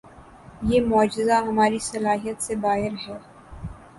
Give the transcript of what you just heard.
یہ معجزہ ہماری صلاحیت سے باہر ہے۔